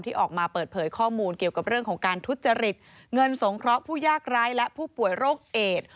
ออกมาเปิดเผยข้อมูลเกี่ยวกับเรื่องของการทุจริตเงินสงเคราะห์ผู้ยากร้ายและผู้ป่วยโรคเอด